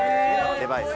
デバイス